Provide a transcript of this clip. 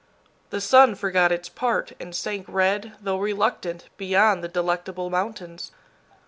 The sun forgot its part, and sank red, though reluctant, beyond the Delectable Mountains.